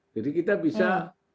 jadi kita bisa